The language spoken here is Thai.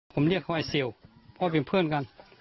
ผมเรียกเขาไอซิลเพราะเป็นเพื่อนกัน